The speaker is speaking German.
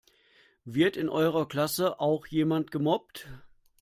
Wird in eurer Klasse auch jemand gemobbt?